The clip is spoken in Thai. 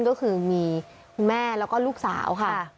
ก็คือมีคุณแม่แล้วก็ลูกสาวค่ะ